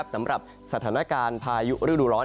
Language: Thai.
สำหรับสถานการณ์พายุฤดูร้อน